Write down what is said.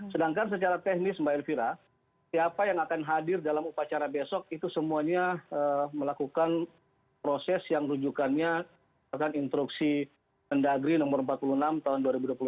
sedangkan secara teknis mbak elvira siapa yang akan hadir dalam upacara besok itu semuanya melakukan proses yang rujukannya bahkan instruksi mendagri nomor empat puluh enam tahun dua ribu dua puluh satu